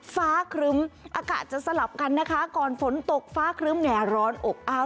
ครึ้มอากาศจะสลับกันนะคะก่อนฝนตกฟ้าครึ้มแห่ร้อนอบอ้าว